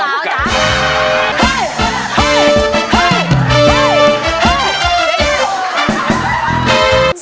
ใครเราควรการ